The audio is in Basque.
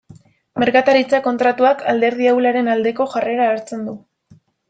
Merkataritza kontratuak alderdi ahularen aldeko jarrera hartzen du.